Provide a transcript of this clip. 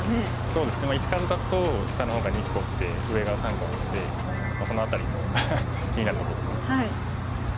そうですね石数だと下の方が２個で上が３個なのでその辺りも気になるところですね。